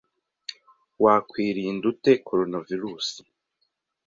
Wakwirinda ute coronavirus?